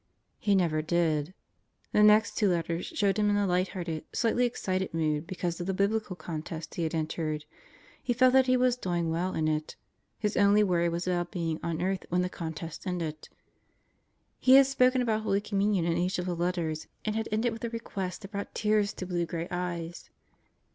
He never did. The next two letters showed him in a light hearted, slightly excited mood because of the Biblical Contest he had entered. He felt that he was doing well in it. His only worry was about being on earth when the contest ended. He had spoken about Holy Communion in each of the letters and had ended with a request that brought tears to blue gray eyes.